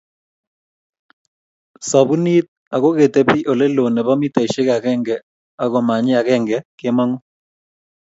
sabunit, ago ketepi oleloo nebo mitaishek agenge ak komanyii agenge kemangu